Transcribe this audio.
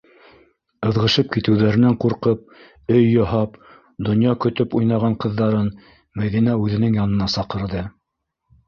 Ыҙғышып китеүҙәренән ҡурҡып, өй яһап, донъя көтөп уйнаған ҡыҙҙарын Мәҙинә үҙенең янына саҡырҙы: